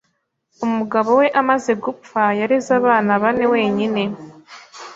Umugabo we amaze gupfa, yareze abana bane wenyine.